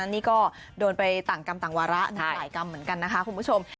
นี่ก็โดนไปต่างกรรมต่างวาระหนึ่งหลายกรรมเหมือนกันนะคะคุณผู้ชม